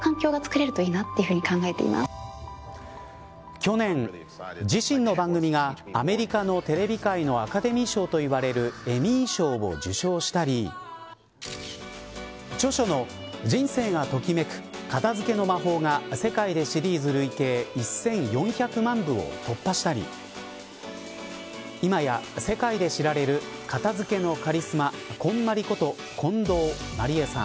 去年、自身の番組がアメリカのテレビ界のアカデミー賞といわれるエミー賞を受賞したり著書の人生がときめく片づけの魔法が世界でシリーズ累計１４００万部を突破したり今や、世界で知られる片付けのカリスマこんまりこと近藤麻理恵さん。